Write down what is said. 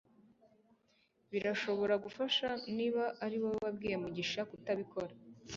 birashobora gufasha niba ari wowe wabwiye mugisha kutabikora